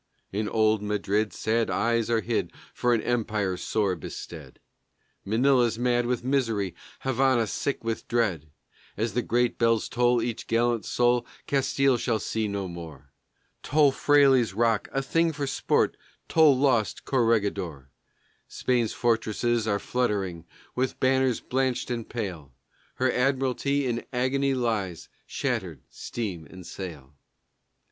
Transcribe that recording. In old Madrid sad eyes are hid for an empire sore bestead: Manila's mad with misery, Havana sick with dread, As the great bells toll each gallant soul Castile shall see no more, Toll Fraile's rock a thing for sport, toll lost Corregidor Spain's fortresses are fluttering with banners blanched and pale; Her admiralty in agony lies shattered, steam and sail.